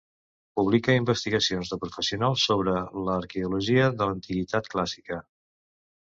Publica investigacions de professionals sobre l'arqueologia de l'antiguitat clàssica.